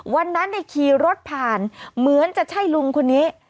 วันนั้นขี่รถผ่านเหมือนจะใช่ลุงคนนี้